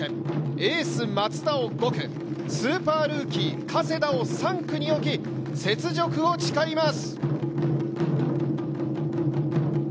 エース・松田を５区、スーパールーキー・加世田を３区に置き、雪辱を誓います。